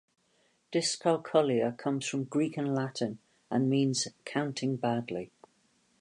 Dyscalculia comes from Greek and Latin and means "counting badly".